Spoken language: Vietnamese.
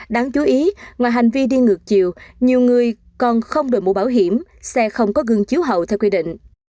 đáng chú ý ngoài hành vi đi ngược chiều nhiều người còn không đổi mũ bảo hiểm xe không có gương chiếu hậu theo quy định